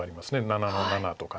７の七とか。